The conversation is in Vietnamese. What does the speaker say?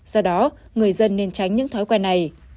hãy đăng ký kênh để ủng hộ kênh của mình nhé